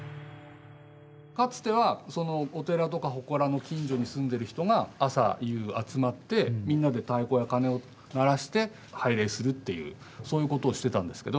かつてはお寺とか祠の近所に住んでる人が朝夕集まってみんなで太鼓やかねを鳴らして拝礼するっていうそういうことをしてたんですけど